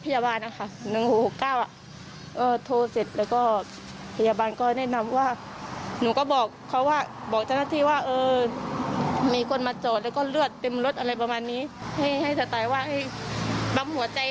ยังมีค่ะยังมีตอนที่ว่าปั๊มไม่พูดไม่ได้พูดอะไร